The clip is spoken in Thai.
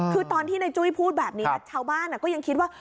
คือตอนที่ในจุ้ยพูดแบบนี้ชาวบ้านก็ยังคิดว่า